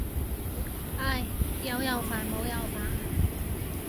唉，有又煩冇又煩。